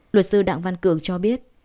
luật sư đặng văn cường cho biết